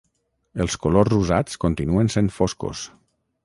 Els colors usats continuen sent foscos.